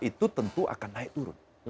itu tentu akan naik turun